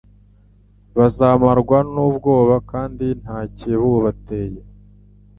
Bazamarwa n’ubwoba kandi nta kibubateye